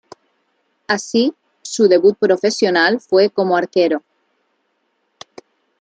Así, su debut profesional fue como arquero.